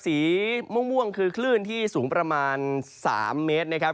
สีม่วงคือคลื่นที่สูงประมาณ๓เมตรนะครับ